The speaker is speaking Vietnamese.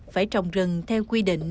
phải trồng rừng theo quy định